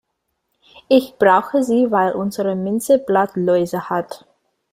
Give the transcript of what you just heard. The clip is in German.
Ich brauche sie, weil unsere Minze Blattläuse hat.